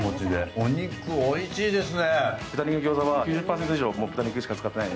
お肉おいしいですね。